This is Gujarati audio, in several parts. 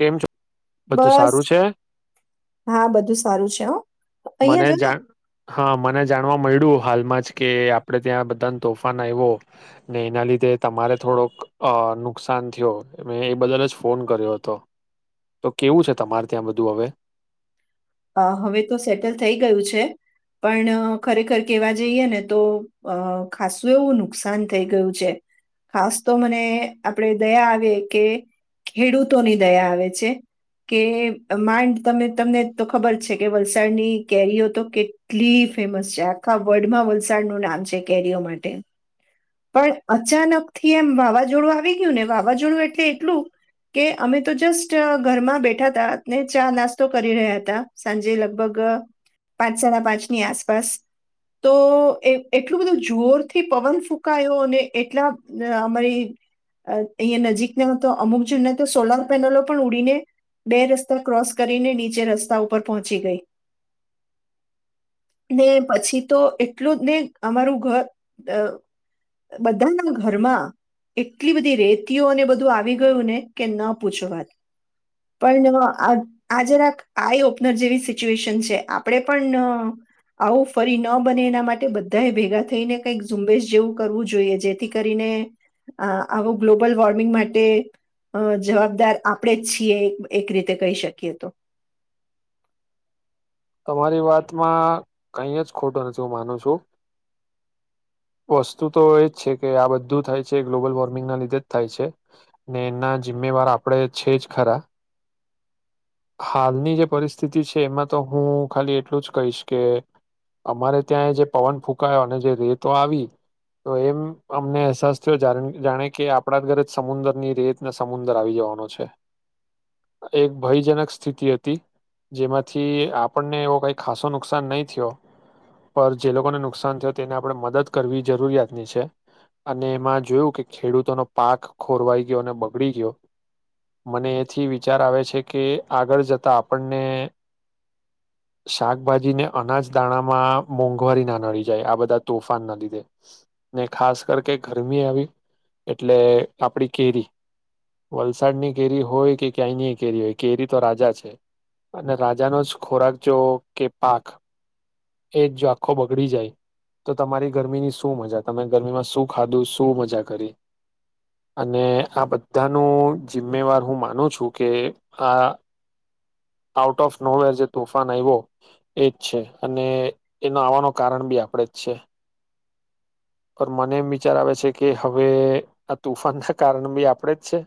કેમ છો બધું બસ સારું છે હા બધું સારું છે હ મને જા હા મને જા જાણવા મળ્યું હાલમાં જ કે આપણે ત્યાં બધા તોફાન આવ્યો ને એના લીધે તમારે થોડોક નુકસાન થયો મેં એ બદલ જ ફોન કર્યો હતો તો કેવું છે તમારે ત્યાં બધું હવે અ હવે તો સેટલ થઈ ગયું છે પણ ખરેખર કેવા જઈએ ને તો અ ખાસું એવું નુકસાન થઈ ગયું છે ખાસ તો મને આપણેે દયા આવે કે ખેડૂતોની દયા આવે છે કે માંડ તમે તમને તો ખબર છે કે વલસાડની કેરીઓ તો કેટલી ફેમસ છે આખા વર્લ્ડમાં વલસાડનું નામ છે કેરીઓ માટે પણ અચાનક થી એમ વાવાઝોડું આવી ગયું ને વાવાઝોડું એટલે એટલું કે અમે તો જસ્ટ ઘરમાં બેઠા હતા ને ચા નાસ્તો કરી રહ્યા સાંજે લગભગ પાંચ સાડા પાંચની આસપાસ તો એ એટલું બધું જોર થી પવન ફૂંકાયો અને એટલા અમારી અહીિયાંયા નજીકના હતો અમુક જૂને તો સોલાર પેનલો પણ ઉડીને બે રસ્તા ક્રોસ કરીને નીચે રસ્તા ઉપર પહોંચી ગઈ ને પછી તો એટલું ને અમારું ઘર બધાના ઘરમાં એટલી બધી રેતીઓ અને બધું આવી ગયું ને કે ન પૂછ વાત પણ આજ રા આઈ ઓપનર જેવી સિચ્યુએશન છે આપણે પણ આવું ફરી ન બને એના માટે બધાએ ભેગા થઈને કંઈક ઝુંબેશ જેવું કરવું જોઈએ જેથી કરીને અ આવો ગ્લોબલ વોર્મિંગ માટે જવાબદાર આપણે જ છીએ એક રીતે કહી શકીએ તો તમારી વાતમાં કઈ જ ખોટું નથી હું માનું છું વસ્તુ તો એ જ છે કે આ બધું થાય છે ગ્લોબલ વોર્મિંગના લીધે જ થાય છે ને એના જિમ્મેવાર આપણે છે જ ખરા હાલની જે પરિસ્થિતિ છે એમાં તો હું ખાલી એટલું જ કહીશ કે અમારે ત્યાં જે પવન ફૂંકો અને જે રેતો આવી તો એમ અમને અહેસાસ થયો જાણે કે આપણા ઘરે જ સમુદર ની રેત ને સમુદર આવી જવાનો છે એક ભયજનક સ્થિતિ હતી જેમાંથી આપણને એવો કઈ ખાસો નુકસાન નહીં થયો પર જે લોકોને નુકસાન થયો તેને આપણે મદદ કરવી જરૂરિયાતની છે અને એમાં જોયું કે ખેડૂતોનો પાક ખોરવાઈ ગયો અને બગડી ગયો મને એથી વિચાર આવે છે કે આગળ જતા આપણને શાકભાજીને અનાજ દાણામાં મોંઘવારી ના નડી જાય આ બધા તોફાન ના લીધે ને ખાસ કર કે ગરમી આવી એટલે આપડી કેરી વલસાડની કેરી હોય કે ક્યાંયની કેરી હોય કેરી તો રાજા છે અને રજા નો ખોરાક જો કે પાક એ જો આખો બગડી જાય તો તમારી ગરમીની શું મજા તમે ગરમીમાં શું ખાધું શું મજા કરી અને આ બધાનું જિમ્મેવાર હું માનું છું કે આ ઓફ નોવેર જે તોફાન આવ્યો એજ છે અને એનો આવવાનું કારણ બી આપણેે જ છે પણ મને એમ વિચાર આવે છે કે હવે આ તુફાન ના કારણ બી આપણેે જ છે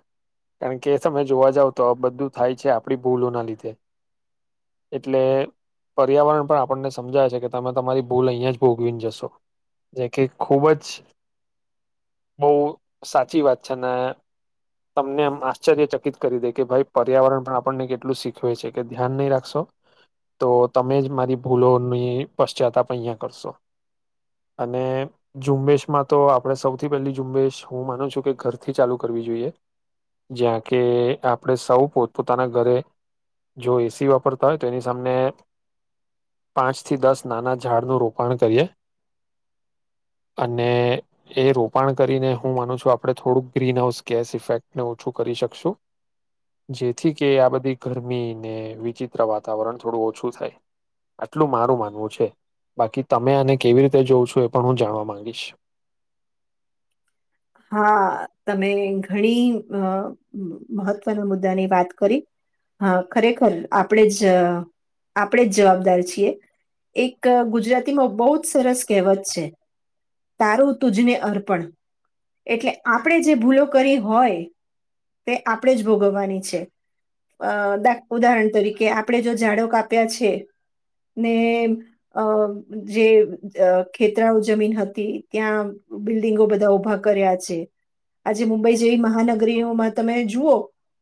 કારણ કે તમે જોવા જાવ તો આ બધું થાય છે આપણી ભૂલોના લીધે એટલે પર્યાવરણ પણ આપણને સમજાવે છે કે તમે તમારી ભૂલ અહિયાં જ ભોગવીને જશો જે કે ખુબ જ બો સાચી વાત છે અને તમને એમ આશ્ચર્ય ચકિત કરી દે કે ભાઈ પર્યાવરણ પણ આપણને કેટલું શીખવે છે કે ધ્યાન નહી રાખશો તો તમે જ મારી ભૂલોની પશ્ચાતા પણ અહીંયા કરશો અને ઝુંબેશમાં તો આપણે સૌથી પહેલી ઝુંબેશ હું માનું છું કે ઘરથી ચાલુ કરવી જોઈએ જ્યાં કે આપણે સૌ પોતપ પોતાના ઘરે જો એસી વાપરતા હોય તો એની સામેને પાંચ થી દસ નાના ઝાડનું રોપણ કરીએ અને એ રોપણ કરીને હું માનું છું આપણે થોડુંક ગ્રીન હાઉસ ગેસ ઇફેક્ટને ઓછું કરી શકશું જેથી કે આ બધી ગરમી ને વિચિત્ર વાતાવરણ થોડું ઓછું થાય આટલું મારું માનવું છે બાકી તમે આને કેવી રીતે જોઉં છું એ પણ હું જાણવા માંગીશ હા તમે ઘણી અ મ મહત્વના મુદ્દાની વાત કરી હા ખરેખર આપણે જ આપણેે જ જવાબદાર છીએ એક ગુજરાતીમાં બહુ જ સરસ કહેવત છે તારું તુજને અર્પણ એટલે આપણે જે ભૂલો કરી હોય તે આપણેે જ ભોગવવાની છે અ ડા ઉદાહરણ તરીકે આપણે જો ઝડો કાપ્યા છે ને અ જે ખેતરાઓ જમીન હતી ત્યાં બિલ્ડિંગો બધા ઉભા કરિયા છે આજે મુંબઈ જેવી મહાનગરીઓમાં તમે જુઓ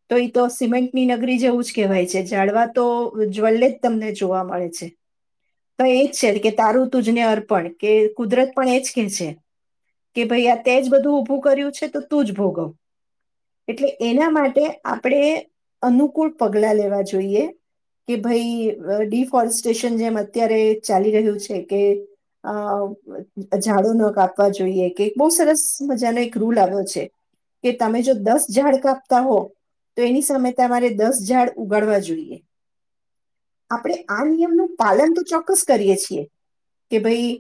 તો એ તો સિમેન્ટની નગરી જેવું જ કહેવાય છે જાડવા તો જવલેજ તમને જોવા મળે છે તો એજ છે કે તારું તુજને અર્પણ કે કુદરત પણ એજ કે છે કે ભાઈ તે જ બધું ઊભું કર્યું છે તો તું જ ભોગવ એટલે એના માટે આપણેે અનુકૂળ પગલા લેવા જોઈએ કે ભાઈ ડિફોરેસ્ટેશન જેમ અત્યારે ચાલી રહ્યું છે કે અ ઝાડો ન કાપવા જોઈએ કે બ સર મજાનો એક રૂલ આવ્યો છે કે તમે જો દસ ઝાડ કાપતા હો તો એની સામે તમારે દસ ઝાડ ઉગાડવા જોઈએ આપણે આ નિયમનું પાલન તો ચોક્કસ કરીએ છીએ કે ભાઈ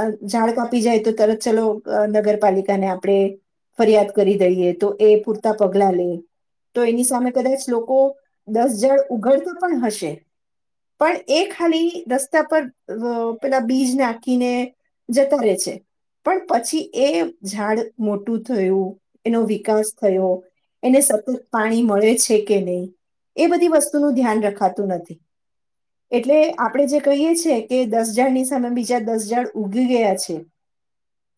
અ ઝાડ કાપી જાય તો તરત ચલો અ નગર પાલિકાને આપણે ફરિયાદ કરી દઈએ તો એ પૂરતા પગલા લે તો એની સામે કદાચ લોકો દસ જણ ઉઘડતા પણ હશે પણ એ ખાલી રસ્તા પર પેલા બીજ નાખીને જતા રહેે છે પણ પછી એ ઝાડ મોટું થયું એનો વિકાસ થયો એને સતત પાણી મળે છે કે નહી એ બધી વસ્તુનું ધ્યાન રખાતું નથી એટલે આપણે જે કહીએ છે કે દસ જાાડની સામે બીજા દસ ઝાડ ઊગી ગયા છે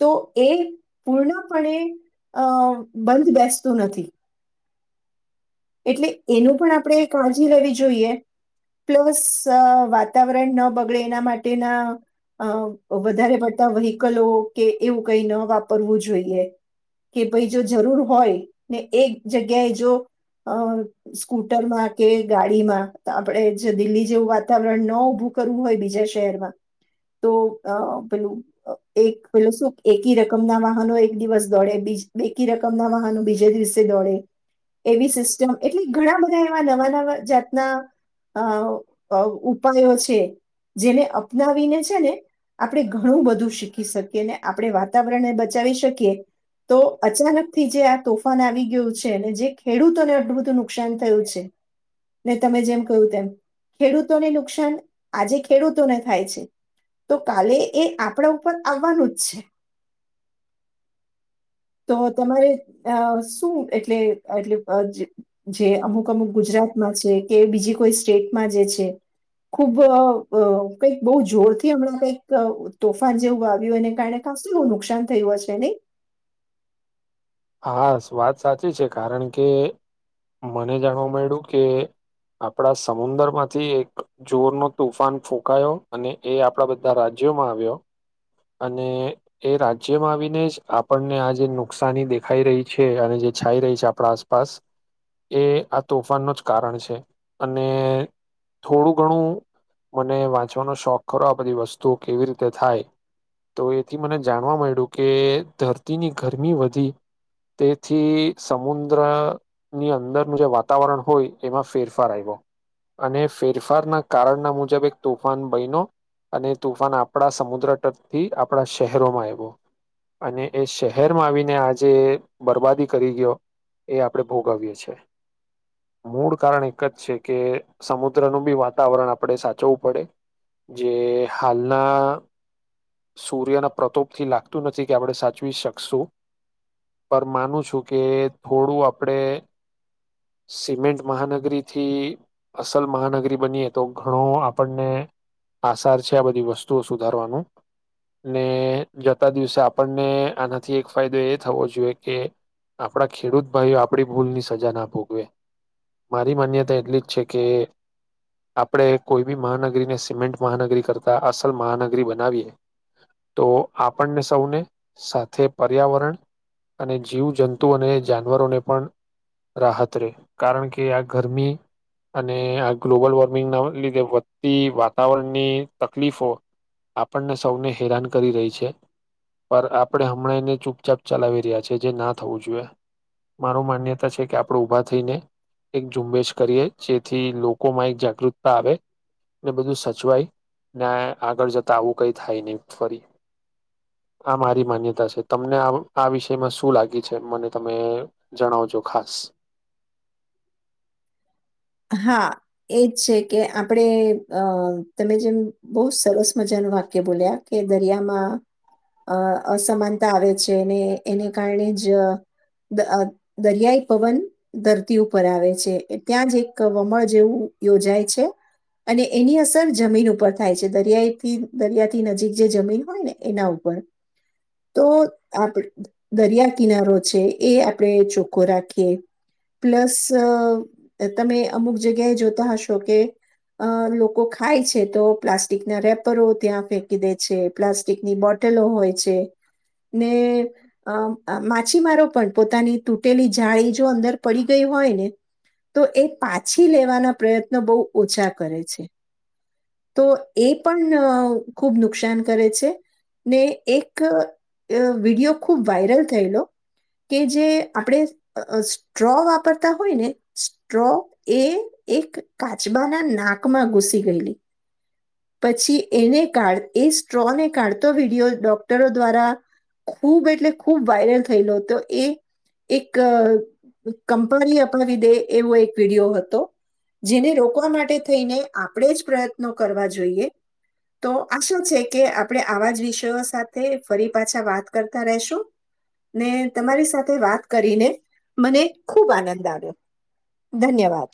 તો એ પૂર્ણપણે અ બંધ બેસતું નથી એટલે એનું પણ આપણે કાળજી લેવી જોઈએ પ્લસ વાતાવરણ ન બગડે એના માટેના અ વધારે પડતા વહી કલો કે એવું કઈ ન વાપરવું જોઈએ કે ભાઈ જો જરૂર હોય ને એક જગ્યાએ જો અ સ્કૂટરમાં કે ગાડીમાં આપણે જે દિલ્હી જેવું વાતાવરણ ન ઊભું કરવું હોય બીજા શહેરમાં તો અ પેલું અ એક પેલ શું એકી રકમના વાહનો એક દિવસ દોડે બે રકમના વાહનો બીજા દિવસે દોડે એવી સિસ્ટમ એટલે ઘણા બધા એવા નવા નવા જાતના અ ઉપાયો છે જેને અપનાવીને છે ને આપણે ઘણું બધું શીખી શકીએ ને આપણે વાતાવરણને બચાવી શકીએ તો અચાનકથી જે આ તોફાન આવી ગયું છે ને જે ખેડૂતોને આટલું બધું નુકસાન થયું છે ને તમે જેમ કહ્યું તેમ ખેડૂતોને નુકસાન આજે ખેડૂતોને થાય છે તો કાલે એ આપણા ઉપર આવવાનું જ છે તો તમારે અ શું એટલે એટલે જે અમુક અમુક ગુજરાતમાં છે કે બીજી કોઈ સ્ટેટમાં જે છે ખુબ અ કંઈક બહુ જોરથી હમણાં કંઈક તોફાન જેવું આવ્યું એને કારણે કાસું એવું નુકસાન થયું હશે નહી હા વાત સાચી છે કારણ કે મને જાણવા મળ્યું કે આપણા સમુંદ્ર માંથી એક જોર નો તોુફાન ફૂંકાયો અને એ આપણા બધા રાજ્યોમાં આવ્યો અને એ રાજ્યમાં આવીને જ આપણને આ જે નુકસાની દેખાઈ રહી છે અને જે છાઈ રહી છે આપણા આસપાસ એ આ તોફાનનું જ કારણ છે અને થોડું ઘણું મને વાંચવાનો શોખ કરો આ બધી વસ્તુઓ કેવી રીતે થાય તો એથી મને જાણવા મળ્યું કે ધરતીની ગરમી વધી, તેથી સમુંદ્રની અંદરનું જે વાતાવરણ હોય એમાં ફેરફાર આવ્યો, અને ફેરફારના કારણના મુજાબિક તોફાન બનીનો અને તોફાન આપણા સમુદ્ર તટ થી આપણા શહેરોમાં આવ્યો, અને એ શહેરમાં આવીને આજે બરબાદી કરી ગયો એ આપણે ભોગવીએી છે, મૂળ કારણ એક જ છે કે સમુદ્રનું બી વાતાવરણ આપણે સાચવવું પડે જે હાલના સૂર્યના પ્રતોપ થી લાગતું નથી કે આપણે સાચવી શકશું પણ માનું છું કે થોડું આપણે સિમેન્ટ મહાનગરીથી અસલ મહાનગરી બનીએ તો ઘણો આપણને આસાર છે આ બધી વસ્તુઓ સુધારવાનું ને જતા દિવસે આપણને આનાથી એક ફાયદો એ થવો જોઈએ કે આપણા ખેડૂત ભાઈ આપણી ભૂલની સજા ના ભોગવે. મારી માન્યતા એટલી જ છે કે આપણે કોઈ બી મહાનગરીને સિમેન્ટ મહાનગરી કરતા અસલ મહાનગરી બનાવીએ. તો આપણને સૌને સાથે પર્યાવરણ અને જીવજંતુ અને જાનવરોને પણ રાહત રે, કારણ કે આ ગરમી અને આ ગ્લોબલ વોર્મિંગ ના લીધે વધતી વાતાવરણની તકલીફો આપણને સૌને હેરાન કરી રહી છે, પર આપણે હમણાં એને ચૂપચાપ ચલાવી રહ્યા છે, જે ના થવું જોઈએ. મારુ માન્યતા છે કે આપણે ઉભા થઈને એક ઝુંબેશ કરીએ, જેથી લોકોમાં એક જાગૃતતા આવે ને બધું સચવાય, ને આગળ જતા આવું કઈ. થાયની ફરી આ મારી માન્યતા છે તમને આ વિષયમાં શું લાગી છે મને તમે જણાવજો ખાસ. હા એજ છે કે આપણે અ તમે જેમ બહુ સરસ મજાનું વાક્ય બોલ્યા કે દરિયામાં અ અસમાનતા આવે છે ને એને કારણે જ દ દરિયાઈ પવન ધરતી ઉપર આવે છે ત્યાં જ એક કવમળ જેવું યોજાય છે અને એની અસર જમીન ઉપર થાય છે દરિયાઈથી દરિયાથી નજીક જે જમીન હોયને એના ઉપર તો આપડે દરિયા કિનારો છે એ આપણે ચોખ્ખો રાખીએ પ્લસ અ તમે અમુક જગ્યાએ જોતા હશો કે અ લોકો ખાય છે તો પ્લાસ્ટિકના રેપરો ત્યાં ફેંકી દે છે પ્લાસ્ટિકની બોટલો હોય છે ને અ માછીમારો પણ પોતાની તૂટેલી જાળી જો અંદર પડી ગઈ હોયને તો એ પાછી લેવાના પ્રયત્નો બહુ ઓછા કરે છે તો એ પણ અ ખૂબ નુકસાન કરે છે ને એક અ વિડીયો ખૂબ વાયરલ થયેલો કે જે આપણે સ્ટ્રો વાપરતા હોયને સ્ટ્રો એ એક કાચબાનાં નાકમાં ઘુસી ગયેલી. પછી એને કાઢ એ સ્ટ્રોને કાઢતો વિડિયો ડોક્ટરો દ્વારા ખૂબ એટલે ખૂબ વાયરલ થયેલો હતો એ એક કંપની અપાવી દે એવો એક વિડિયો હતો જેને રોકવા માટે થઈને આપણે જ પ્રયત્નો કરવા જોઈએ તો આ શું છે કે આપણે આવા જ વિષયો સાથે ફરી પાછા વાત કરતા રેહશું ને તમારી સાથે વાત કરીને મને ખૂબ આનંદ આવ્યો ધન્યવાદ.